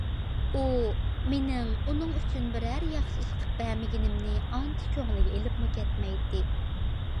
ئۇ، مېنىڭ ئۇنىڭ ئۈچۈن بىرەر ياخشى ئىش قىلىپ بەرمىگىنىمنى ئانچە كۆڭلىگە ئېلىپمۇ كەتمەيتتى.